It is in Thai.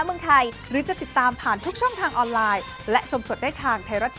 เอ้าคุณผู้ชมค่ะ